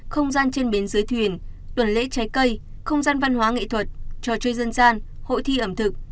không gian trên bến dưới thuyền tuần lễ trái cây không gian văn hóa nghệ thuật trò chơi dân gian hội thi ẩm thực